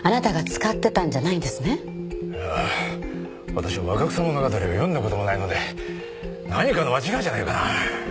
私は『若草物語』を読んだ事もないので何かの間違いじゃないのかな？